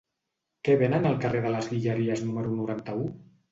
Què venen al carrer de les Guilleries número noranta-u?